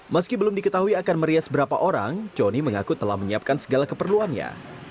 meski belum diketahui akan merias berapa orang conny mengaku telah menyiapkan segala keperluannya